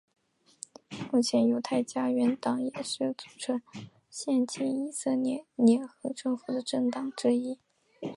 目前犹太家园党也是组成现今以色列联合政府的政党之一。